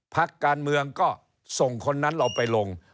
พักการเมืองก็ส่งคนนั้นเราไปลง